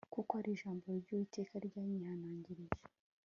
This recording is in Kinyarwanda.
kuko ari ko ijambo ry Uwiteka ryanyihanangirije